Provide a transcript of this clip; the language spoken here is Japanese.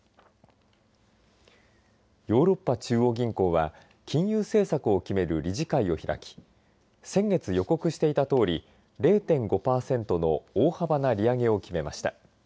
ヨーロッパ中央銀行は金融政策を決める理事会を開き先月、予告していたとおり０．５パーセントの大幅な利上げを決めました。